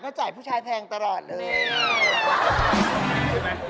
เค้าจ่ายผู้ชายแพงตลอดเลยนี่